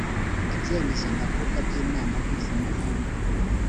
ibyemezo ndakuka by’ inama mpuzamahanga